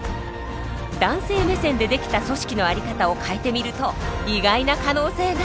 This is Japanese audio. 男性目線で出来た組織の在り方を変えてみると意外な可能性が。